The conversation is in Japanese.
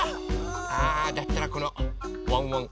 あだったらこのワンワン